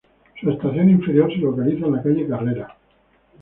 Su estación inferior se localiza en la calle Carrera.